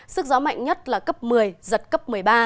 sức gió mạnh nhất là cấp một mươi giật cấp một mươi ba